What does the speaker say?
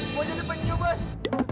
mau jadi penyu bos